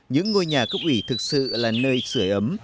những ngôi nhà cấp ủy thực sự là nơi sửa ấm